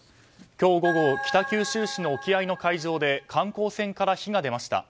今日午後北九州市の沖合の海上で観光船から火が出ました。